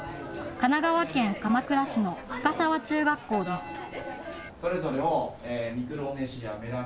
神奈川県鎌倉市の深沢中学校です。